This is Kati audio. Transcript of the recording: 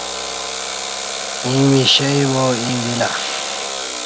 ییں مشئی با ایں ویلہ